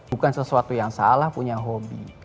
bukan sesuatu yang salah punya hobi